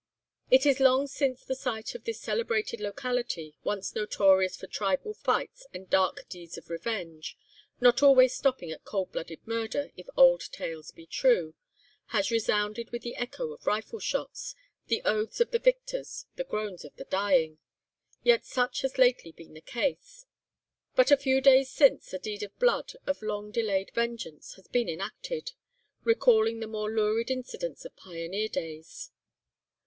"It is long since the site of this celebrated locality, once notorious for tribal fights, and dark deeds of revenge, not always stopping at cold blooded murder, if old tales be true, has resounded with the echo of rifle shots, the oaths of the victors, the groans of the dying! Yet such has lately been the case. But a few days since a deed of blood, of long delayed vengeance, has been enacted, recalling the more lurid incidents of pioneer days.